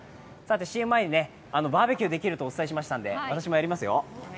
ＣＭ前にバーベキューできるとお伝えしましたので私もやりますよ。